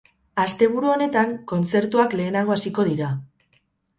Asteburu honetan, kontzertuak lehenago hasiko dira.